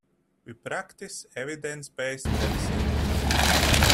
We practice evidence-based medicine.